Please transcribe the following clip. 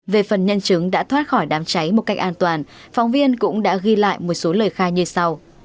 về phần nhân chứng đã thoát khỏi đám cháy một cách an toàn phóng viên cũng đã ghi lại một số lời khai như sau